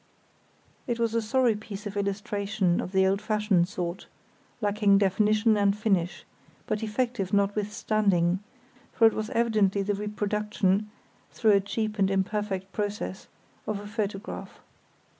It was a sorry piece of illustration of the old fashioned sort, lacking definition and finish, but effective notwithstanding; for it was evidently the reproduction, though a cheap and imperfect process, of a photograph.